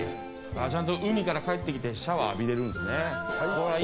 ちゃんと海から帰ってきてシャワー浴びれるんですね。